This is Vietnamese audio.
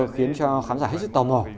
khiến cho khán giả hết sức tò mò